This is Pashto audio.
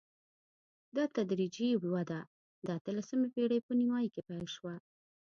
دا تدریجي وده د اتلسمې پېړۍ په نیمايي کې پیل شوه.